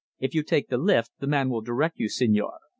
If you take the lift the man will direct you, señor."